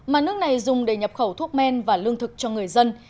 mà nước này dùng để nhập khẩu thuốc men và lương thực cho người dân